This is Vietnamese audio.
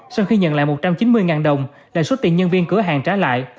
sau khi nhận lại một trăm chín mươi đồng lại xuất tiền nhân viên cửa hàng trả lại